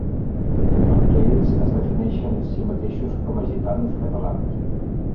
Perquè ells es defineixen a si mateixos com a gitanos catalans.